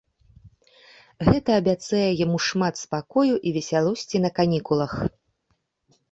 Гэта абяцае яму шмат спакою і весялосці на канікулах.